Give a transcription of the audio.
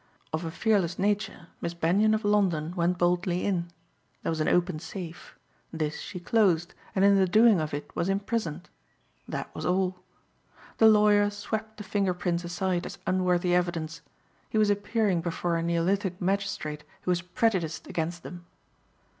Of a fearless nature, Miss Benyon of London went boldly in. There was an open safe. This she closed and in the doing of it was imprisoned. That was all. The lawyer swept the finger prints aside as unworthy evidence. He was appearing before a neolithic magistrate who was prejudiced against them.